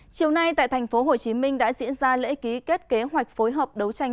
chiều nay tại tp hcm đã diễn ra lễ ký kết kế hoạch phối hợp đấu tranh